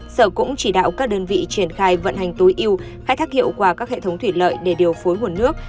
sở cũng chỉ đạo các đơn vị triển khai vận hành tối yêu khai thác hiệu quả các hệ thống thủy lợi để điều phối nguồn nước